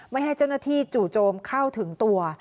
ไม่ให้เจ้าหน้าที่จู่โจมเข้าถึงตัว